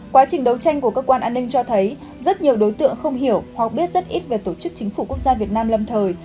quá trình đấu tranh của cơ quan an ninh cho thấy rất nhiều đối tượng không hiểu hoặc biết rất ít về tổ chức chính phủ quốc gia việt nam lâm thời